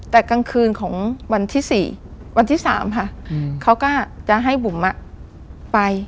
แต่กลางคืนของวันที่๔วันที่๓ค่ะเขาก็จะให้บุ๋มไป